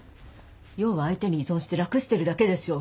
要は相手に依存して楽してるだけでしょ。